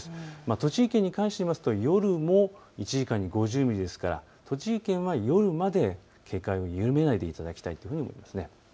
栃木県に関して言いますと夜も１時間に５０ミリですから栃木県は夜まで警戒を緩めないでいただきたいというふうに思います。